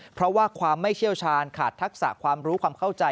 เพราะว่าความไม่เชี่ยวชาญขาดทักษะความรู้ความเข้าใจ